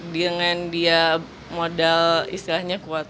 dengan dia modal istilahnya kuat